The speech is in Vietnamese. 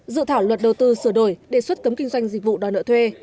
dự thảo luật đầu tư sửa đổi đề xuất cấm kinh doanh dịch vụ đòi nợ thuê